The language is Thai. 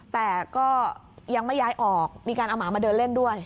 แต่ก็ยังไม่ย้ายออกมีการเอาหมามาเดินเล่นด้วย